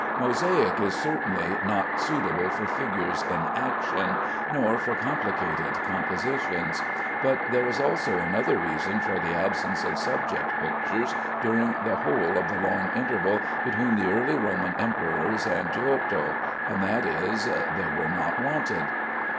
Mosaic is certainly not suitable for figures in action, nor for complicated compositions; but there is also another reason for the absence of subject pictures during the whole of the long interval between the early Roman emperors and Giotto, and that is, they were not wanted.